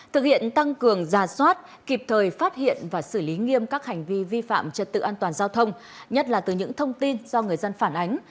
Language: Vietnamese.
thực hiện tăng cường giả soát kịp thời phát hiện và xử lý nghiêm các hành vi vi phạm trật tự an toàn giao thông nhất là từ những thông tin do người dân phản ánh